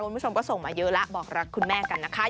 คุณผู้ชมก็ส่งมาเยอะแล้วบอกรักคุณแม่กันนะคะ